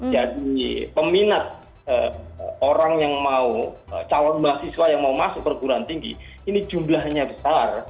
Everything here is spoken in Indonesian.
jadi peminat orang yang mau calon mahasiswa yang mau masuk perguruan tinggi ini jumlahnya besar